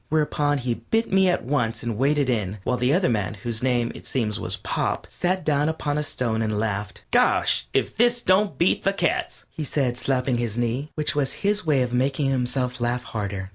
Whereupon he bit at me once and waded in, while the other man, whose name, it seems, was Pop, sat down upon a stone and laughed. "Gosh! If this don't beat the cats," he said, slapping his knee, which was his way of making himself laugh harder.